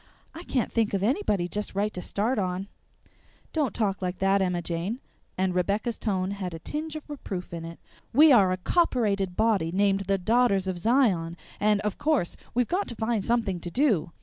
I can't think of anybody just right to start on!" "Don't talk like that, Emma Jane," and Rebecca's tone had a tinge of reproof in it. "We are a copperated body named the Daughters of Zion, and, of course, we've got to find something to do.